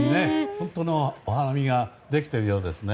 本当のお花見ができているようですね。